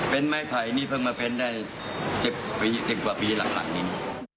เป็นไม้ไผ่นี่เพิ่งมาเป็นได้๑๐กว่าปีหลังนี้